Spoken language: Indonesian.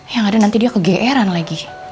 ya nggak ada nanti dia ke gr an lagi